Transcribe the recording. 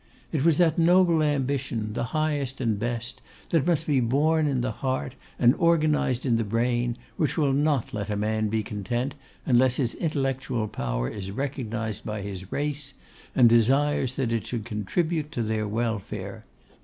It was that noble ambition, the highest and the best, that must be born in the heart and organised in the brain, which will not let a man be content, unless his intellectual power is recognised by his race, and desires that it should contribute to their welfare.